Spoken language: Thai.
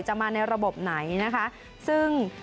จะมาในระบบไหน